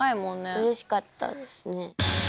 うれしかったですね。